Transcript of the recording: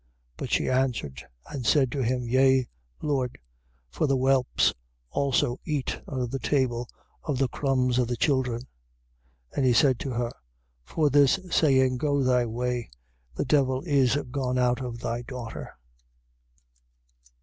7:28. But she answered and said to him: Yea, Lord; for the whelps also eat under the table of the crumbs of the children. 7:29. And he said to her: For this saying, go thy way. The devil is gone out of thy daughter.